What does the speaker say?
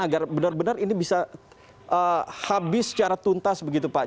agar benar benar ini bisa habis secara tuntas begitu pak